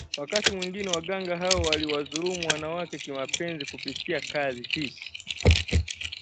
Wakati mwingine waganga hawa waliwadhulumu wanawake kimapenzi kupitia kazi hii